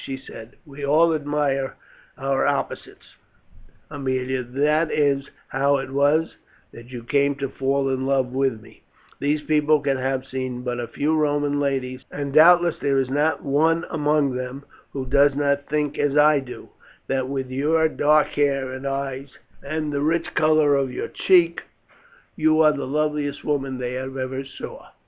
she said. "We all admire our opposites, Aemilia, that is how it was that you came to fall in love with me; these people can have seen but few Roman ladies, and doubtless there is not one among them who does not think as I do, that with your dark hair and eyes, and the rich colour of your cheek, you are the loveliest woman that they ever saw."